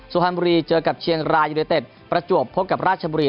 สุพรรณบุรีเจอกับเชียงรายยูเนเต็ดประจวบพบกับราชบุรี